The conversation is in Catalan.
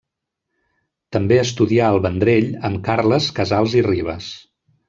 També estudià al Vendrell amb Carles Casals i Ribes.